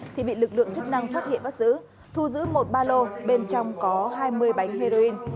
thì bị lực lượng chức năng phát hiện bắt giữ thu giữ một ba lô bên trong có hai mươi bánh heroin